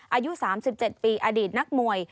อายุ๓๗ปีอดีตนักมวย